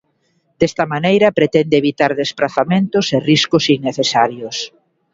Desta maneira pretende evitar desprazamentos e riscos innecesarios.